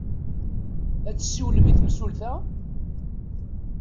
Ad tsiwlem i temsulta?